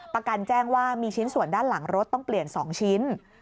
ประกันแจ้งว่ามีชิ้นส่วนด้านหลังรถต้องเปลี่ยน๒ชิ้น